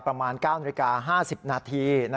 ประมาณ๙นาที๕๐นาที